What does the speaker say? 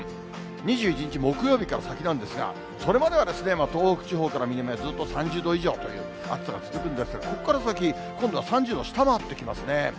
２１日木曜日から先なんですが、それまでは東北地方から南はずっと３０度以上という暑さが続くんですが、ここから先、今度は３０度下回ってきますね。